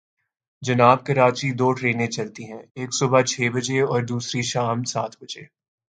جناب، کراچی دو ٹرینیں چلتی ہیں، ایک صبح چھ بجے اور دوسری شام سات بجے۔